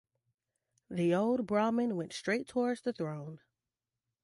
The old Brahmin went straight towards the throne.